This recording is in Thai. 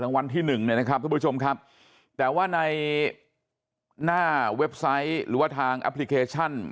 วันที่หนึ่งเนี่ยนะครับทุกผู้ชมครับแต่ว่าในหน้าเว็บไซต์หรือว่าทางแอปพลิเคชัน